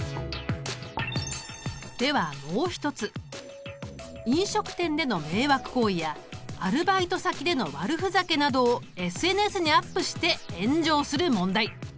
ではもう一つ飲食店での迷惑行為やアルバイト先での悪ふざけなどをＳＮＳにアップして炎上する問題。